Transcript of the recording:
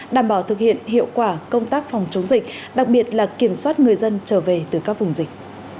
đảm bảo thực hiện hiệu quả công tác phòng chống dịch đặc biệt là kiểm soát người dân trở về từ các vùng dịch